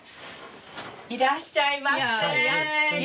いらっしゃいませ。